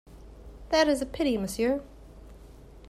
That is a pity, monsieur.